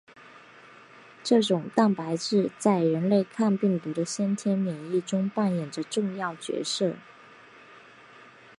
这种蛋白质在人类抗病毒的先天免疫中扮演着重要角色。